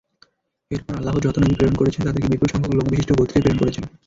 এরপর আল্লাহ যত নবী প্রেরণ করেছেন তাদেরকে বিপুল সংখ্যক লোক বিশিষ্ট গোত্রেই প্রেরণ করেছেন।